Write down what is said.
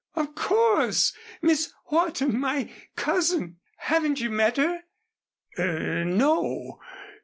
Of course! Miss Wharton, my cousin. Haven't you met her?" "Er no!